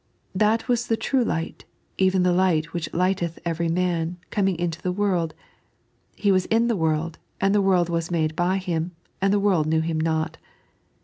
" That was the true Light, even the Light which lighteth every man, coming into the world. He was in the world, and the world was made by Him, and the world knew Him not."